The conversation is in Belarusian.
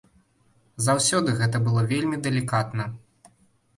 Заўсёды гэта было вельмі далікатна.